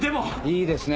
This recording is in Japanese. いいですね。